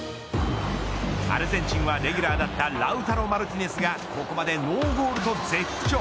アルゼンチンはレギュラーだったラウタロ・マルティネスがここまでノーゴールと絶不調。